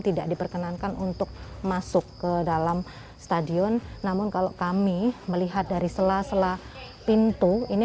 tidak diperkenankan untuk masuk ke dalam stadion namun kalau kami melihat dari sela sela pintu ini